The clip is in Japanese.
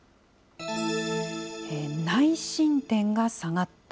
内申点が下がった。